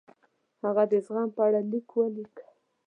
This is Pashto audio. هغه د زغم په اړه لیک ولیکه.